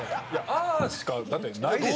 ああしかだってないでしょ。